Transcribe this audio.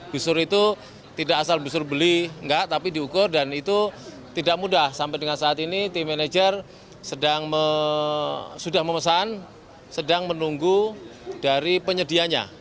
busur itu tidak asal busur beli enggak tapi diukur dan itu tidak mudah sampai dengan saat ini tim manajer sudah memesan sedang menunggu dari penyedianya